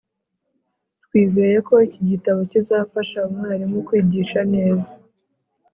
Twizeye ko iki gitabo kizafasha umwarimu kwigisha neza